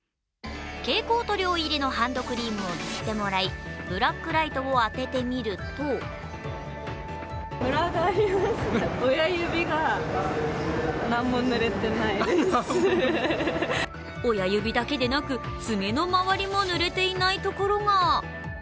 蛍光塗料入りのハンドクリームを塗ってもらい、ブラックライトを当ててみると親指だけでなく、爪の周りも塗れていないところが。